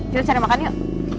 kita cari makan yuk